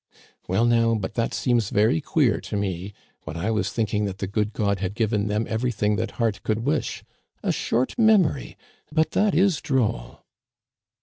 " Well, now, but that seems very queer to me, when I was thinking that the good God had given them every thing that heart could wish ! A short memory ! But that is droll."